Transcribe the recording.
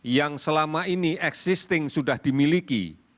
yang selama ini existing sudah dimiliki